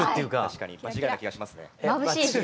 確かに場違いな気がしますね。